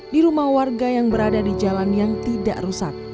di rumah warga yang berada di jalan yang tidak rusak